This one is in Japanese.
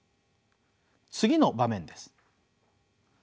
次の場面です。